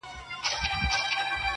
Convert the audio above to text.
هلک چیغه کړه پر مځکه باندي پلن سو!!